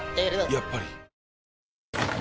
やっぱり。